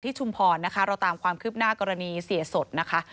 ชุมพรนะคะเราตามความคืบหน้ากรณีเสียสดนะคะ